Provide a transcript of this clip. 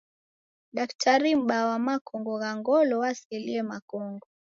Daktari m'baa wa makongo gha ngolo waselie w'akongo.